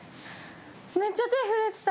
めっちゃ手震えてた。